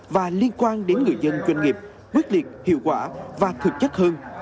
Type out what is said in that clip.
và liên quan đến người dân doanh nghiệp quyết liệt hiệu quả và thực chất hơn